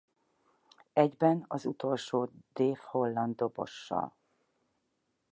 Egyben az utolsó Dave Holland dobossal.